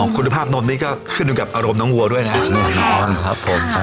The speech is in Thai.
คุณภาพนมนี้ก็ขึ้นกับอารมณ์น้องกัวด้วยนะครับ